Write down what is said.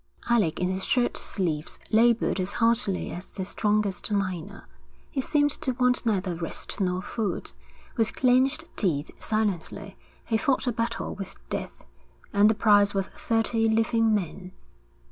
Alec, in his shirt sleeves, laboured as heartily as the strongest miner; he seemed to want neither rest nor food. With clenched teeth, silently, he fought a battle with death, and the prize was thirty living men.